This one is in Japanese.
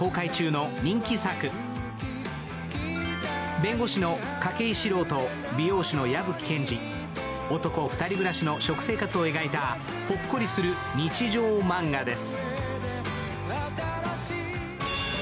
弁護士の筧史朗と美容師の矢吹賢二、男２人暮らしの食生活を描いたほっこりする日常漫画です。